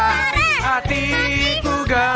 libur telah tiba